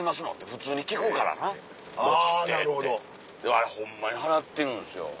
あれホンマに払ってるんですよ。